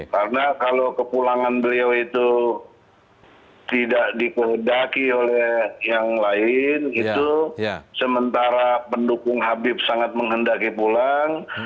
karena kalau kepulangan beliau itu tidak diperhendaki oleh yang lain itu sementara pendukung habib sangat menghendaki pulang